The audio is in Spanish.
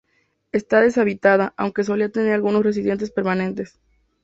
Está deshabitada, aunque solía tener algunos residentes permanentes.